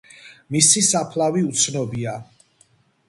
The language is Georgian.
მისი საფლავი უცნობია.